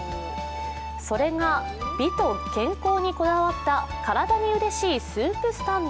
それが、美と健康にこだわった体にうれしいスープスタンド。